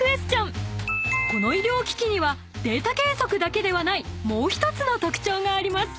［この医療機器にはデータ計測だけではないもう１つの特徴があります］